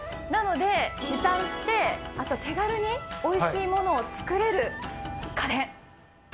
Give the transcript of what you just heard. なので、時短して、あと、手軽においしいものを作れる家電。